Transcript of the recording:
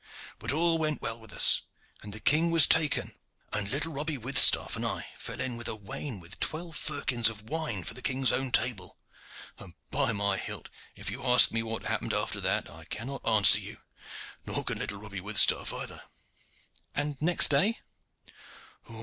But all went well with us, and the king was taken, and little Robby Withstaff and I fell in with a wain with twelve firkins of wine for the king's own table, and, by my hilt! if you ask me what happened after that, I cannot answer you, nor can little Robby Withstaff either." "And next day?"